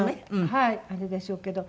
はいあれでしょうけど。